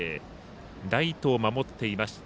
ライトを守っていました